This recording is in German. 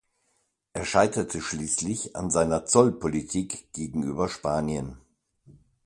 Er scheiterte schließlich an seiner Zollpolitik gegenüber Spanien.